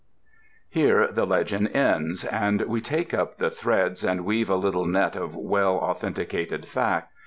] Here the legend ends, and we take up the threads and weave a little net of well authenticated facts.